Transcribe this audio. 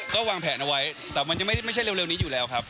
ก็วางแผนเอาไว้แต่มันยังไม่ใช่เร็วนี้อยู่แล้วครับ